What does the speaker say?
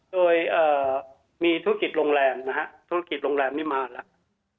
โดยมีธุรกิจโรงแรมนะฮะธุรกิจโรงแรมนี้มาแล้ว